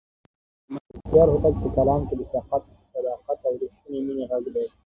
د ملکیار هوتک په کلام کې د صداقت او رښتونې مینې غږ دی.